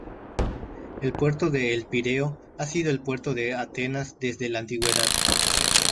El puerto de El Pireo ha sido el puerto de Atenas desde la Antigüedad.